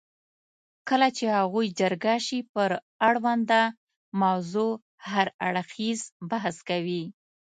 کله چې هغوی جرګه شي پر اړونده موضوع هر اړخیز بحث کوي.